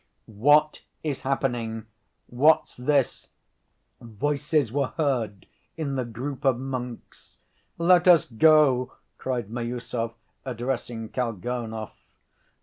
"What is happening? What's this?" voices were heard in the group of monks. "Let us go," cried Miüsov, addressing Kalganov.